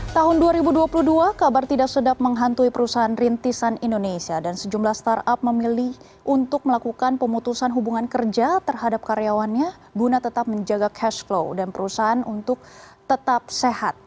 tahun dua ribu dua puluh dua kabar tidak sedap menghantui perusahaan rintisan indonesia dan sejumlah startup memilih untuk melakukan pemutusan hubungan kerja terhadap karyawannya guna tetap menjaga cash flow dan perusahaan untuk tetap sehat